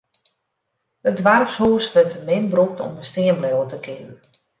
It doarpshûs wurdt te min brûkt om bestean bliuwe te kinnen.